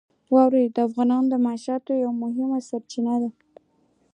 واوره د افغانانو د معیشت یوه مهمه سرچینه ده.